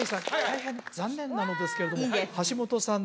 大変残念なのですけれども橋本さん